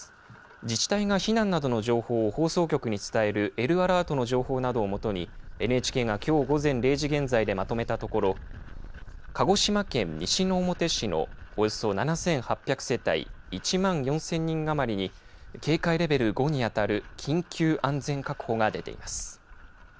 自治体が避難などの情報を放送局に伝えるＬアラートの情報などを基にＮＨＫがきょう午前０時現在でまとめたところ鹿児島県西之表市のおよそ７８００世帯１万４０００人余りに警戒レベル５に当たる緊急安全確保が出ています。